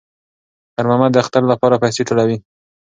خیر محمد د اختر لپاره پیسې ټولولې.